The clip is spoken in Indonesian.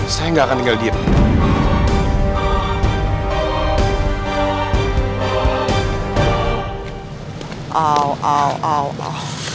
saya gak akan tinggal di situ